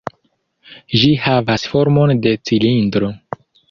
Ĝi havas formon de cilindro.